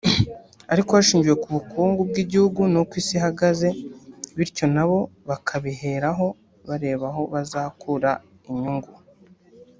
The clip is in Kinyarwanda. ariko hashingiwe ku bukungu bw’igihugu n’uko isi ihagaze bityo na bo bakabiheraho bareba aho bazakura inyungu